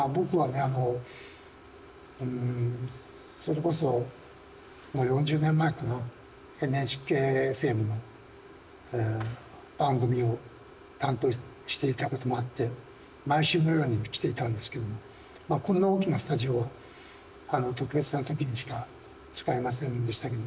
あのそれこそもう４０年前かなＮＨＫの番組を担当していたこともあって毎週のように来ていたんですけどもこんな大きなスタジオは特別な時にしか使えませんでしたけど。